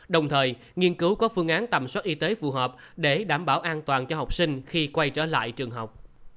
đồng thời nghiên cứu có phương án tầm soát y tế phù hợp để đảm bảo an toàn cho học sinh khi quay trở lại trường học